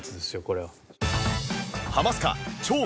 これは。